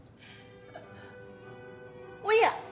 おや。